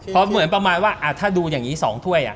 เพราะเหมือนประมาณว่าถ้าดูอย่างนี้๒ถ้วย